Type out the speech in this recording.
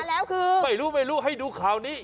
มาแล้วคือไม่รู้ให้ดูข่าวนี้